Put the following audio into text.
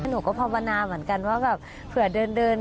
หนูก็พร้อมพนาเหมือนกันว่าแบบ